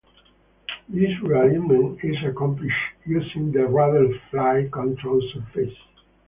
This re-alignment is accomplished using the rudder flight control surface.